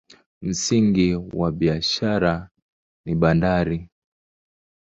Msingi wa biashara ni bandari.